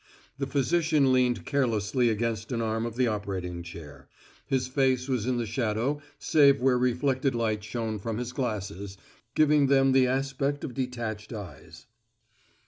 The physician leaned carelessly against an arm of the operating chair; his face was in the shadow save where reflected light shone from his glasses, giving them the aspect of detached eyes.